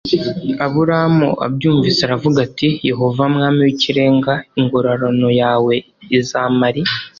Aburamu abyumvise aravuga ati Yehova Mwami w Ikirenga ingororano yawe izamari